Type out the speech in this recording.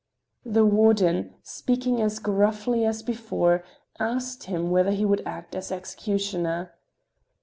The warden, speaking as gruffly as before, asked him whether he would act as executioner.